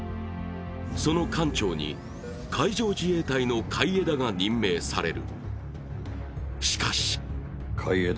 その艦長に海上自衛隊の海江田が任命される。